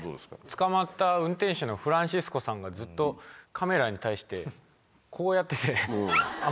捕まった運転手のフランシスコさんがずっとカメラに対してこうやってて。